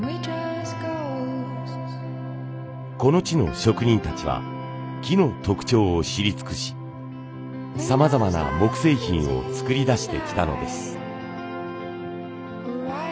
この地の職人たちは木の特徴を知り尽くしさまざまな木製品を作り出してきたのです。